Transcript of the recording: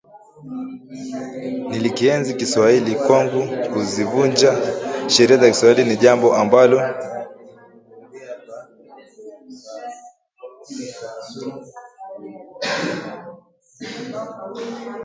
Nilikienzi Kiswahili, Kwangu kuzivunja sheria za Kiswahili ni jambo ambalo nilichukizwa nalo si haba